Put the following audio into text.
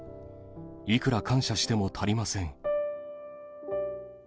いくら感謝しても足りません。